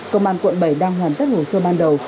công an quận bảy đang hoàn tất hồ sơ ban đầu